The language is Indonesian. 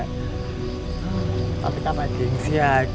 tapi sama gengsi aja sih